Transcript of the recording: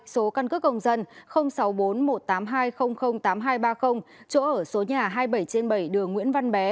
số căn cước công dân sáu bốn một tám hai không không tám hai ba không chỗ ở số nhà hai mươi bảy trên bảy đường nguyễn văn bé